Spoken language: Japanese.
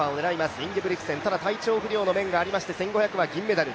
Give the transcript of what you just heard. インゲブリクセン、ただ体調不良の面がありまして１５００ｍは銀メダル。